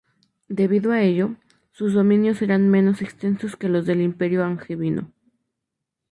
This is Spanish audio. Debido a ello, sus dominios eran menos extensos que los del Imperio angevino.